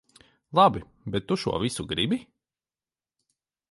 Labi, bet tu šo visu gribi?